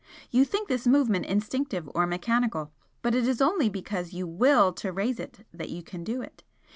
You think this movement instinctive or mechanical but it is only because you WILL to raise it that you can do it.